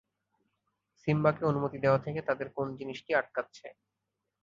সিম্বাকে অনুমতি দেওয়া থেকে তাদের কোন জিনিসটি আটকাচ্ছে?